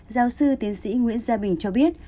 giáo sư tiến sĩ nguyễn gia bình cho biết